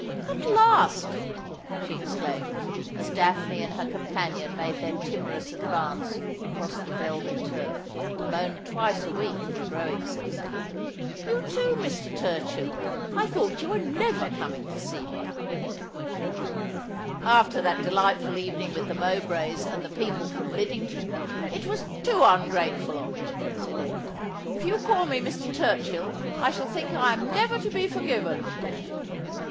'At last!' she exclaimed, as Daphne and her companion made their timorous advance across the velvet turf, mown twice a week in the growing season. 'You too, Mr. Turchill ; 1 thought you were never coming to see me.' ' After that delightful evening with the M^brays and the ' Love maJceth All to gone Misway.' 73 people from Liddington ! It was too ungrateful of me,' said Edgar. ' If you call me Mr. Turchill I shall think I am never to be forgiven.'